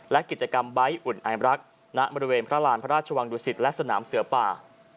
และกิจกรรมใบ้อุ่นไอรักณบริเวณพระราณพระราชวังดุสิตและสนามเสือป่า